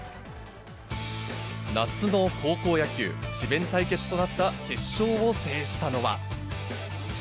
夏の高校野球、智弁対決となった決勝を制したのは。